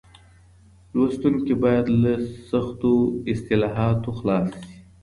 لوستونکي بايد له سختو اصطلاحاتو خلاص شي.